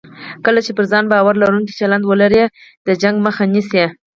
کله چې پر ځان باور لرونکی چلند ولرئ، د شخړې مخه نیسئ.